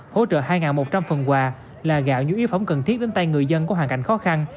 hỗ trợ hai một trăm linh phần quà là gạo nhu yếu phẩm cần thiết đến tay người dân có hoàn cảnh khó khăn